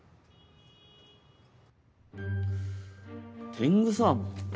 天狗サーモン？